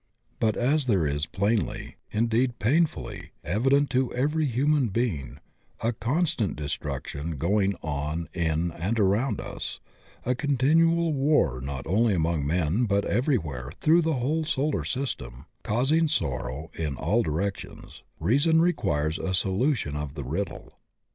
But as there is plainly, indeed painfully, evident to every human be ing a constant destruction going on in and aroimd us, a continual war not only among men but everywhere through the whole solar system, causing sorrow in all directions, reason requires a solution of the riddle.